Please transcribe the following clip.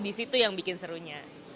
di situ yang bikin serunya